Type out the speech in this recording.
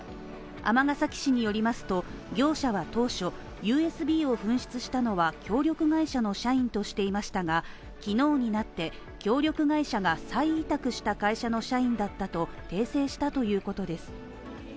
尼崎市によりますと、業者は当初、ＵＳＢを紛失したのは協力会社の社員としていましたが昨日になって、協力会社が再委託した会社の社員だったと訂正したということです。